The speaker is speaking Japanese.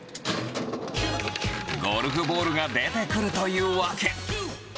ゴルフボールが出てくるというわけ。